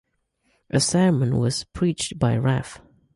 A sermon was preached by Rev.